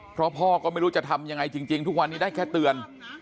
เพราะพ่อก็ไม่รู้จะทำยังไงจริงทุกวันนี้ได้แค่เตือน